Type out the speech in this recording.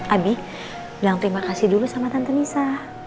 abi bilang terima kasih dulu sama tante nisa